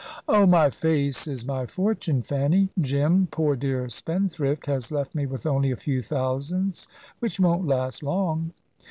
"Oh, my face is my fortune, Fanny. Jim, poor dear spendthrift, has left me with only a few thousands, which won't last long."